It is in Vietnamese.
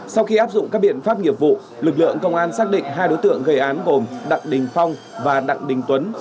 sau khi áp dụng các biện pháp nghiệp vụ lực lượng công an xác định hai đối tượng gây án gồm đặng đình phong và đặng đình tuấn